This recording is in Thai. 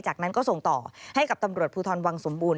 จากนั้นก็ส่งต่อให้กับตำรวจภูทรวังสมบูรณ